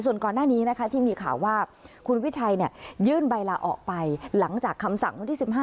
ส่วนก่อนหน้านี้นะคะที่มีข่าวว่าคุณวิชัยยื่นใบลาออกไปหลังจากคำสั่งวันที่๑๕